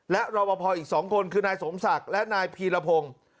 และรอปภอีก๒คนคือนายสมศักดิ์และนายพีรพงศ์